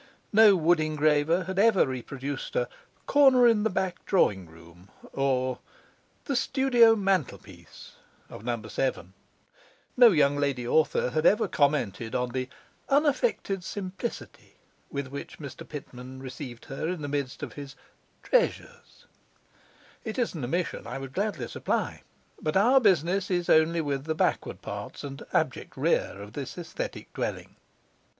No wood engraver had ever reproduced 'a corner in the back drawing room' or 'the studio mantelpiece' of No. 7; no young lady author had ever commented on 'the unaffected simplicity' with which Mr Pitman received her in the midst of his 'treasures'. It is an omission I would gladly supply, but our business is only with the backward parts and 'abject rear' of this aesthetic dwelling.